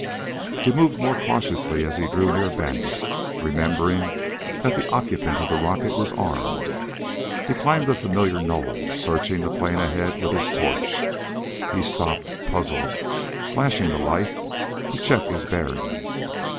He moved more cautiously as he drew near Bandit, remembering that the occupant of the rocket was armed. He climbed a familiar knoll, searching the plain ahead with his torch. He stopped, puzzled, flashing the light to check his bearings.